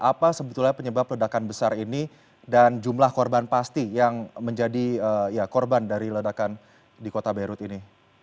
apa sebetulnya penyebab ledakan besar ini dan jumlah korban pasti yang menjadi korban dari ledakan di kota beirut ini